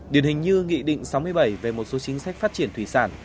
điển hình như nghị định sáu mươi bảy về một số chính sách phát triển thủy sản